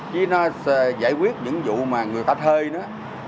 chứ nó giải quyết những vụ mà người ta thơi nó